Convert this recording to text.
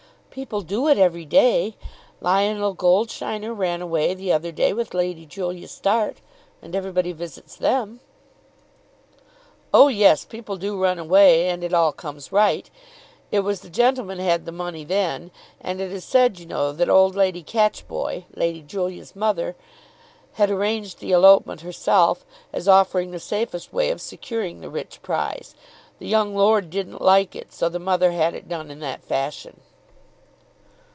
"People do it every day. Lionel Goldsheiner ran away the other day with Lady Julia Start, and everybody visits them." "Oh yes, people do run away, and it all comes right. It was the gentleman had the money then, and it is said you know that old Lady Catchboy, Lady Julia's mother, had arranged the elopement herself as offering the safest way of securing the rich prize. The young lord didn't like it, so the mother had it done in that fashion."